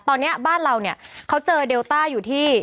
ตอนนี้บ้านเราเนี่ยเขาเจอเดลต้าอยู่ที่